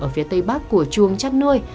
ở phía tây bắc của chuồng chăn nuôi